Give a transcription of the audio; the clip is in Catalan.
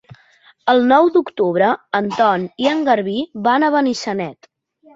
El nou d'octubre en Ton i en Garbí van a Benissanet.